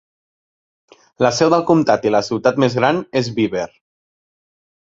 La seu del comtat i la ciutat més gran és Beaver.